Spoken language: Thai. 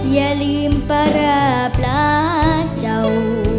อย่าลืมประปลาเจ้า